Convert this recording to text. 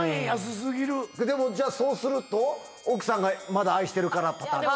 じゃあそうすると奥さんがまだ愛してるからとか。